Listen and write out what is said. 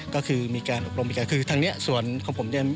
ก็คือมีการอบรมมีการคือทางนี้ส่วนของผมเนี่ย